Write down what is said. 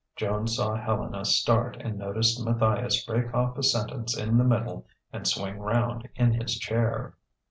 Joan saw Helena start and noticed Matthias break off a sentence in the middle and swing round in his chair.